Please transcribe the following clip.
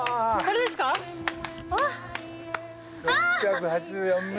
６８４ｍ。